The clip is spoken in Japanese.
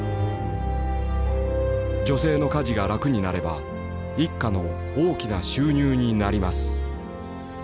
「女性の家事が楽になれば一家の大きな収入になります」。